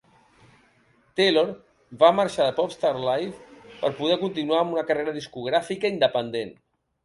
Taylor va marxar de "Popstars Live" per poder continuar amb una carrera discogràfica independent.